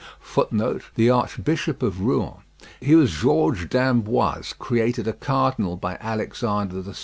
The Archbishop of Rouen. He was Georges d'Amboise, created a cardinal by Alexander VI.